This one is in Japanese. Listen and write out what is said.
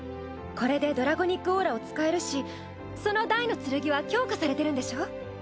これでドラゴニックオーラを使えるしそのダイのつるぎは強化されてるんでしょう？